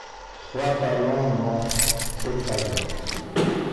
Trois talons l’ont écrasée.